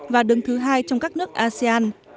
và đứng thứ hai trong các nước asean